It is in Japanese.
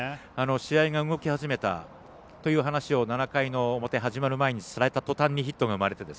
試合が動き始めたという話を７回の表、始まる前にした途端にヒットが生まれて。